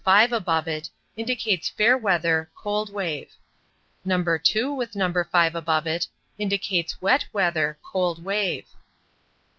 5 above it, indicates fair weather, cold wave. No. 2, with No. 5 above it, indicates wet weather, cold wave.